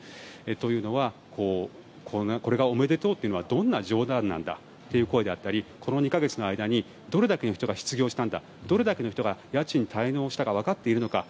というのはこれがおめでとうというのはどんな冗談なんだ？という声であったりこの２か月の間にどれだけの人が失業したんだどれだけの人が家賃滞納したか分かっているのか。